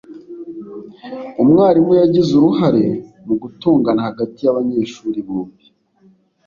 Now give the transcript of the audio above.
umwarimu yagize uruhare mu gutongana hagati y'abanyeshuri bombi